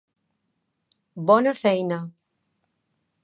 Bona feina.